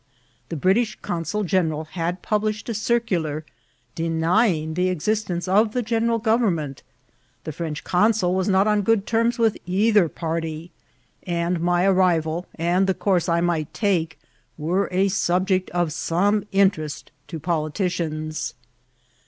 The British consul g^ieral had pub lished a circular denying the existence of the general government; the French consul was not on good terms with either party; and my arrival, and the course I might take, were a subject of some interest to poli* ticians.